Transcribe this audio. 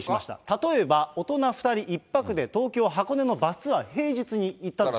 例えば、大人２人１泊で東京・箱根のバスツアー、平日に行ったと。